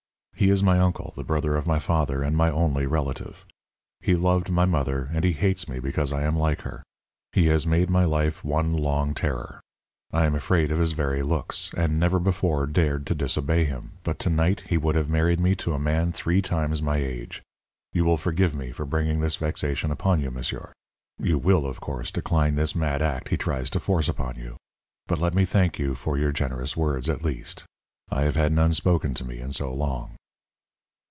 He is my uncle, the brother of my father, and my only relative. He loved my mother, and he hates me because I am like her. He has made my life one long terror. I am afraid of his very looks, and never before dared to disobey him. But to night he would have married me to a man three times my age. You will forgive me for bringing this vexation upon you, monsieur. You will, of course, decline this mad act he tries to force upon you. But let me thank you for your generous words, at least. I have had none spoken to me in so long."